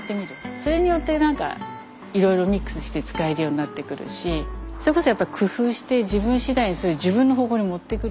それによってなんかいろいろミックスして使えるようになってくるしそれこそ工夫して自分次第にそれを自分の方向に持ってくる。